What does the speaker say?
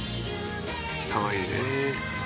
「かわいいね」